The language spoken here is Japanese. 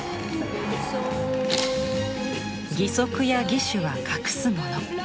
「義足や義手は隠すもの」